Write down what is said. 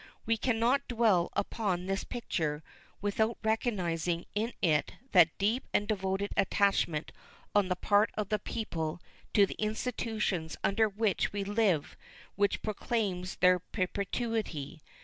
We can not dwell upon this picture without recognizing in it that deep and devoted attachment on the part of the people to the institutions under which we live which proclaims their perpetuity.